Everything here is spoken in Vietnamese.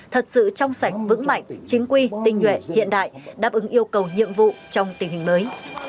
thật sự trong sảnh vững mạnh chính quy tinh nhuệ hiện đại đáp ứng yêu cầu nhiệm vụ trong tình hình mới